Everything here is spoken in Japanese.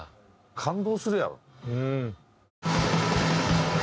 感動するやろ。